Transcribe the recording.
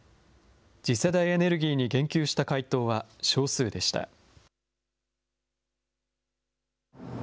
次世代エネルギーに言及した回答は少数でした。